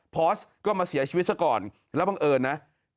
พอสก็มาเสียชีวิตซะก่อนแล้วบังเอิญนะ